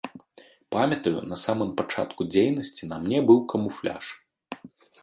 Памятаю, на самым пачатку дзейнасці на мне быў камуфляж.